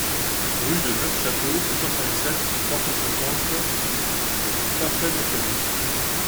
Rue de Neufchâteau, soixante-sept, trois cent cinquante Pfaffenhoffen